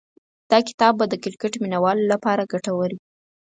دا کتاب به د کرکټ مینه والو لپاره ګټور وي.